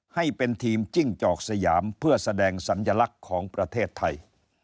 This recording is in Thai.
ให้เป็นทีมจิ้งจอกสยามเพื่อแสดงสัญลักษณ์ของประเทศไทย